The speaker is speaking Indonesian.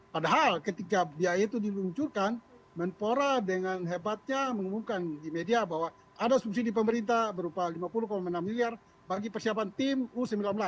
padahal ketika biaya itu diluncurkan menpora dengan hebatnya mengumumkan di media bahwa ada subsidi pemerintah berupa lima puluh enam miliar bagi persiapan tim u sembilan belas